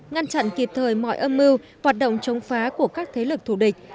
ngăn chặn kịp thời mọi âm mưu hoạt động chống phá của các thế lực thù địch